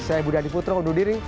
saya budha diputro undur diri